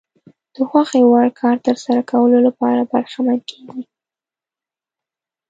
د خوښې وړ کار ترسره کولو لپاره برخمن کېږي.